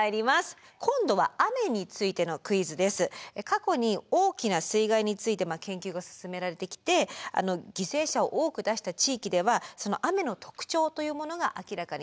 過去に大きな水害について研究が進められてきて犠牲者を多く出した地域ではその雨の特徴というものが明らかになってきています。